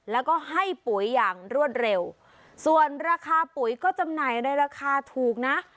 แล้วก็ให้ปุ๋ยอย่างรวดเร็วส่วนราคาปุ๋ยก็จำหน่ายในราคาถูกนะ